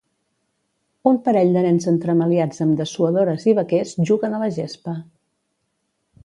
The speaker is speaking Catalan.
Un parell de nens entremaliats amb dessuadores i vaquers juguen a la gespa.